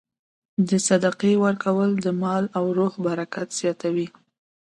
د صدقې ورکول د مال او روح برکت زیاتوي.